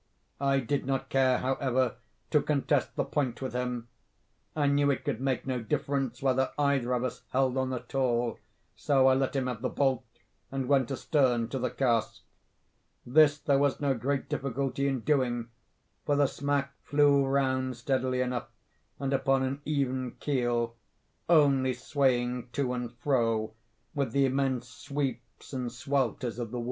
I did not care, however, to contest the point with him. I knew it could make no difference whether either of us held on at all; so I let him have the bolt, and went astern to the cask. This there was no great difficulty in doing; for the smack flew round steadily enough, and upon an even keel—only swaying to and fro, with the immense sweeps and swelters of the whirl.